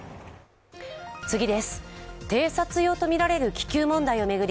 偵察用とみられる気球問題を巡り